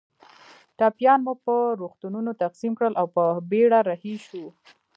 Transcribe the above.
ټپیان مو پر روغتونونو تقسیم کړل او په بېړه رهي شوو.